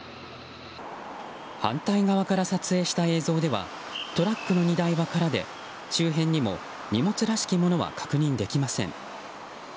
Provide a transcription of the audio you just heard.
反対側から撮影した映像ではトラックの荷台は空で周辺にも荷物らしきものは確認できません。